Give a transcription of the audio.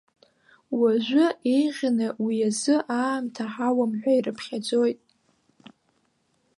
Уажәы еиӷьны уи азы аамҭа ҳауам ҳәа ирыԥхьаӡоит.